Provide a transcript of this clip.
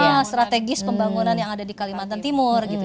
iya strategis pembangunan yang ada di kalimantan timur gitu